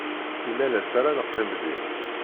Imalas ara neqqim din.